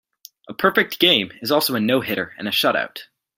A perfect game is also a no-hitter and a shutout.